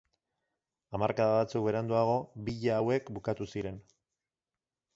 Hamarkada batzuk beranduago, villa hauek bukatu ziren.